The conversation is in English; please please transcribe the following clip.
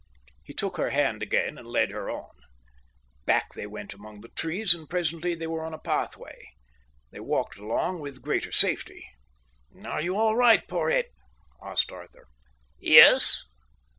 He took her hand again and led her on. Back they went among the trees, and presently they were on a pathway. They walked along with greater safety. "Are you all right, Porhoët?" asked Arthur. "Yes."